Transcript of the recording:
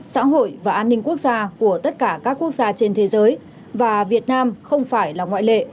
xã hội và an ninh quốc gia của tất cả các quốc gia trên thế giới và việt nam không phải là ngoại lệ